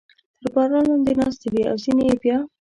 تر باران لاندې ناستې وې او ځینې یې بیا.